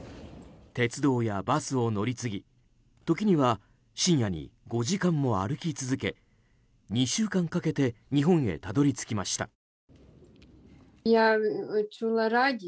鉄道やバスを乗り継ぎ時には深夜に５時間も歩き続け２週間かけて日本へたどり着きました。